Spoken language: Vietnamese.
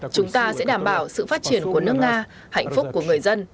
chúng ta sẽ đảm bảo sự phát triển của nước nga hạnh phúc của người dân